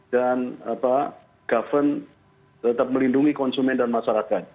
dan govern tetap melindungi konsumen dan masyarakat